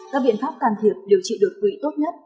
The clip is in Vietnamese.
các biện pháp can thiệp điều trị đột quỵ tốt nhất